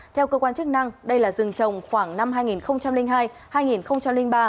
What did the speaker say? theo cơ quan chức năng đây là rừng trồng khoảng năm hai nghìn hai hai nghìn ba